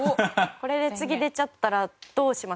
これで次出ちゃったらどうしますか？